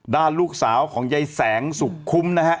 ด้านลูกสาวของยายแสงสุขคุ้มนะฮะ